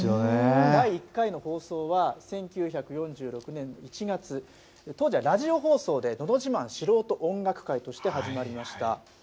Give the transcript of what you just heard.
第１回の放送は１９４６年１月、当時はラジオ放送でのど自慢素人音楽会として始まりました。